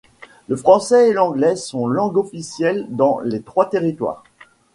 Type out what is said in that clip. Le français et l'anglais sont langues officielles dans les trois territoires.